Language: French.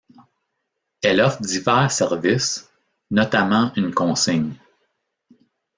Elle offre divers services, notamment une consigne.